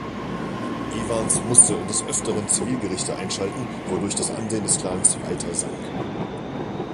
Evans musste des Öfteren Zivilgerichte einschalten, wodurch das Ansehen des Klans weiter sank.